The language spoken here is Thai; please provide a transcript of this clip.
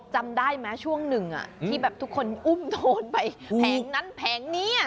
จำได้ไหมช่วงหนึ่งที่แบบทุกคนอุ้มโทนไปแผงนั้นแผงนี้